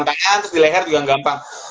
perjuangan tangan terus di leher juga gampang